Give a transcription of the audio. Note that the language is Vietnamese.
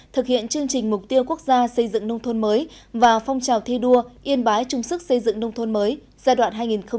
thực hiện chương trình mục tiêu quốc gia xây dựng nông thôn mới và phong trào thi đua yên bái chung sức xây dựng nông thôn mới giai đoạn hai nghìn một mươi sáu hai nghìn hai mươi